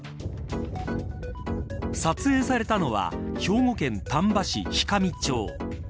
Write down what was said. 撮影されたのは兵庫県丹波市氷上町。